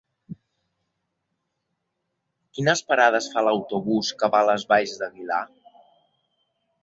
Quines parades fa l'autobús que va a les Valls d'Aguilar?